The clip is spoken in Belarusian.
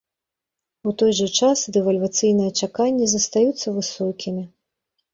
У той жа час дэвальвацыйныя чаканні застаюцца высокімі.